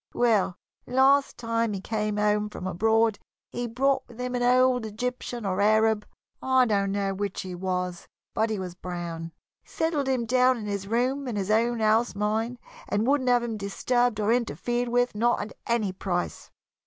Well, last time he came home from abroad, he brought with him an old Egyptian or Arab, I don't know which he was, but he was brown, settled him down in this room in his own house, mind and wouldn't have him disturbed or interfered with, not at any price.